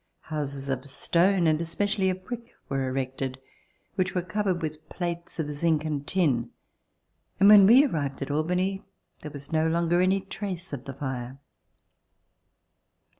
Houses of stone and especially of brick were erected, which were covered with plates of zinc and tin, and when we arrived at Albany there was no longer any trace of the fire.